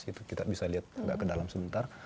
itu kita bisa lihat nggak ke dalam sebentar